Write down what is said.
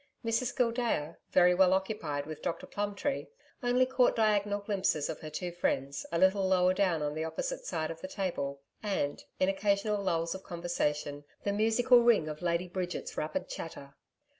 Mrs Gildea, very well occupied with Dr Plumtree, only caught diagonal glimpses of her two friends a little lower down on the opposite side of the table, and, in occasional lulls of conversation, the musical ring of Lady Bridget's rapid chatter.